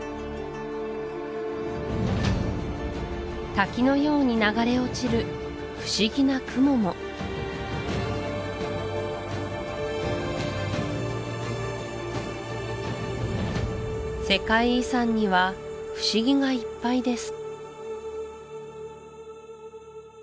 滝のように流れ落ちる不思議な雲も世界遺産には不思議がいっぱいです